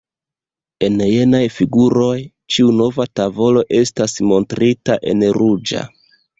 En jenaj figuroj, ĉiu nova tavolo estas montrita en ruĝa.